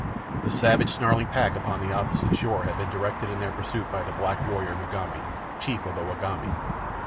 The savage, snarling pack upon the opposite shore had been directed in their pursuit by the black warrior, Mugambi, chief of the Wagambi.